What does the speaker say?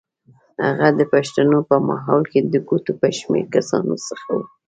هغه د پښتنو په ماحول کې د ګوتو په شمېر کسانو څخه و.